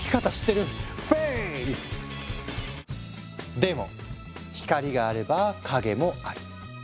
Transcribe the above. でも光があれば影もある。